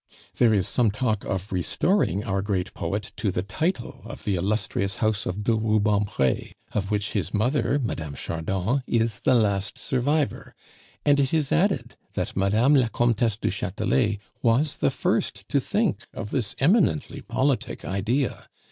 "There is some talk of restoring our great poet to the title of the illustrious house of de Rubempre, of which his mother, Madame Chardon, is the last survivor, and it is added that Mme. la Comtesse du Chatelet was the first to think of this eminently politic idea.